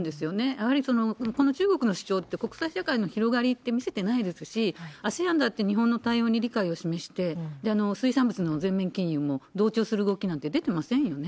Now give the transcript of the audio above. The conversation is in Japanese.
やはりこの中国の主張って、国際社会の広がりって見せてないですし、ＡＳＥＡＮだって日本の対応に理解を示して、水産物の全面禁輸も同調する動きなんて出てませんよね。